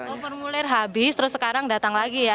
oh formulir habis terus sekarang datang lagi ya